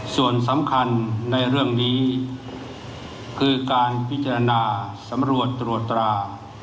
ส่วนสำคัญในเรื่องนี้คือการพิจารณาสำรวจตรวจตรา